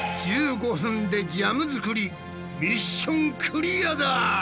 １５分でジャム作りミッションクリアだ！